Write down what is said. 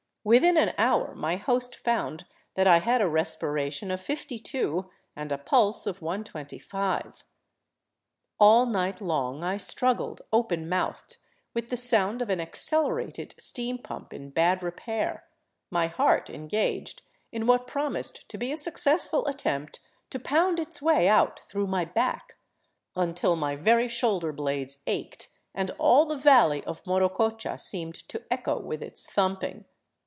Within an hour my host found that I had a respiration of 52 and a pulse of 125. All night long I struggled open mouthed, with the sound of an accelerated steam pump in bad repair, my heart engaged in what promised to be a successful attempt to pound its way out through my back, until my very shoulderblades ached, and all the valley of Morococha seemed to echo with its thumping.